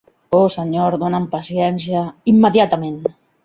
Oh, Senyor, dona'm paciència... Immediatament!